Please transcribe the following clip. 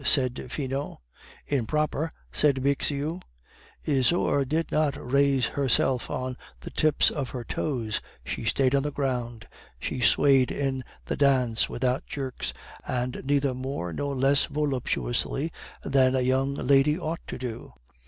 said Finot. "Improper!" said Bixiou. "Isaure did not raise herself on the tips of her toes, she stayed on the ground, she swayed in the dance without jerks, and neither more nor less voluptuously than a young lady ought to do.